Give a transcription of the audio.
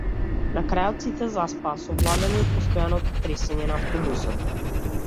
На крајот сите заспаа, совладани од постојаното тресење на автобусот.